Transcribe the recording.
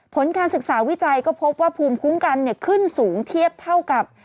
ผลการศึกษาวิจัยก็พบว่าภูมิคุ้มกันขึ้นสูงเทียบเท่ากับ